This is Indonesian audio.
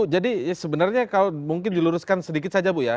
sebenarnya kalau mungkin diluruskan sedikit saja bu ya